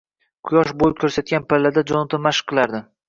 Quyosh bo‘y ko‘rsatgan pallada Jonatan mashq qilardi.